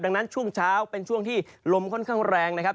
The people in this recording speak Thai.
ดังนั้นช่วงเช้าเป็นช่วงที่ลมค่อนข้างแรงนะครับ